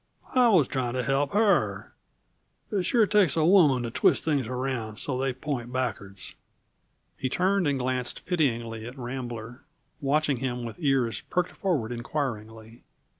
"I was trying to help her; it sure takes a woman to twist things around so they point backwards!" He turned and glanced pityingly at Rambler, watching him with ears perked forward inquiringly.